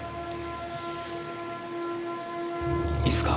いいっすか？